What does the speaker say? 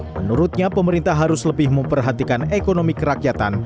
menurutnya pemerintah harus lebih memperhatikan ekonomi kerakyatan